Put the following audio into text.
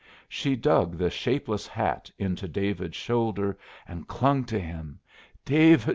She dug the shapeless hat into David's shoulder, and clung to him. "David!"